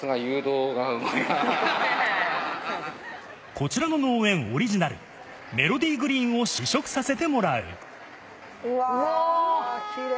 こちらの農園オリジナル、メロディーグリーンを試食させてもらう。